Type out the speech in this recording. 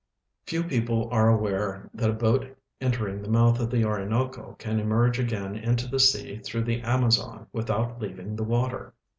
Few people are aware that a boat entering the mouth of the Orinoco can emerge again into the sea through the Amazon Avithout leaving the Avater.